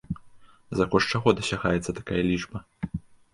За кошт чаго дасягаецца такая лічба?